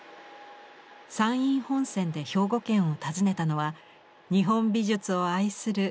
山陰本線で兵庫県を訪ねたのは日本美術を愛するこの人。